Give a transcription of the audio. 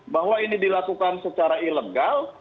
bahwa ini dilakukan secara ilegal